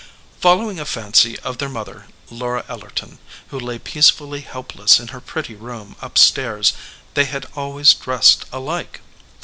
Following a fancy of their mother, Laura Ellerton, who lay peacefully helpless in her pretty room up stairs, they had always dressed alike.